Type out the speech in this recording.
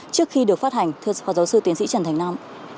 trước khi được phát hành thưa phó giáo sư tiến sĩ trần thành nam